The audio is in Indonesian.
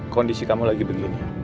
kondisi kamu lagi begini